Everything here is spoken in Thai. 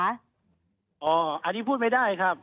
อันนี้พูดไม่ได้ครับ